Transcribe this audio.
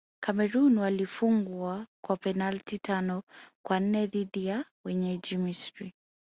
cameroon walifungwa kwa penati tano kwa nne dhidi ya wenyeji misri